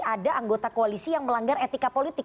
ada anggota koalisi yang melanggar etika politik